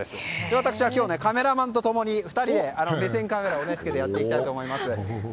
私は今日、カメラマンと共に２人で、目線カメラをつけてやっていきたいと思います。